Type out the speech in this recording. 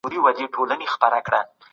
مجلس د ښوونې او روزني پر بهير خبري کوي.